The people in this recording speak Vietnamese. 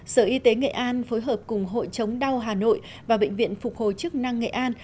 sở y tế nghệ an phối hợp cùng hội chống đau hà nội và bệnh viện phục hồi chức năng nghệ an